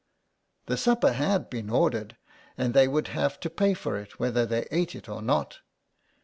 "The supper had been ordered, and they would have to pay for it whether they ate it or not.